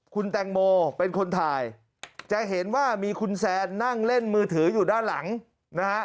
คุณแตงโมเป็นคนถ่ายจะเห็นว่ามีคุณแซนนั่งเล่นมือถืออยู่ด้านหลังนะฮะ